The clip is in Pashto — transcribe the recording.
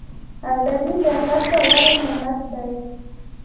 ازادي تر هر څه غوره نعمت دی.